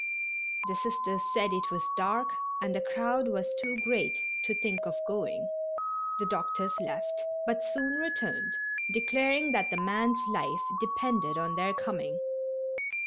The Sisters said it was dark and the crowd was too great to think of going. The doctors left, but soon returned, declaring that the man's life depended on their coming.